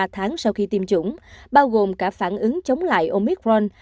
ba tháng sau khi tiêm chủng bao gồm cả phản ứng chống lại omicron